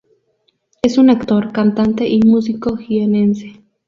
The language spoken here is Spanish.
Es un actor, cantante y músico jienense.